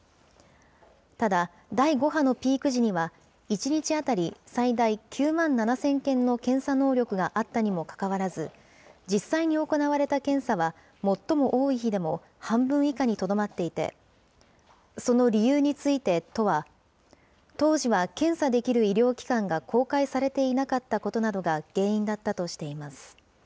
ただ、第５波のピーク時には、１日当たり最大９万７０００件の検査能力があったにもかかわらず、実際に行われた検査は最も多い日でも半分以下にとどまっていて、その理由について都は、当時は検査できる医療機関が公開されていなかったことなどが原因だったとしています。